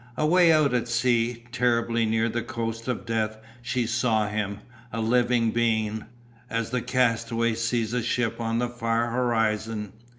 Away out at sea, terribly near the coast of Death she saw him, a living being, as the castaway sees a ship on the far horizon.